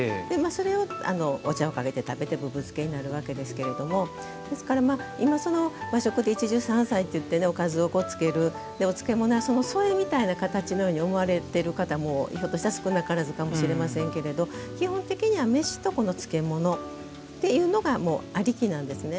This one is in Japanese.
それを、お茶をかけて食べてぶぶ漬けになるわけですがですから、今、和食で一汁三菜といっておかずをつけるお漬物は添えものみたいな感じで思われている方がひょっとしたら少なからずかもしれませんが基本的には飯と漬物っていうのがありきなんですね。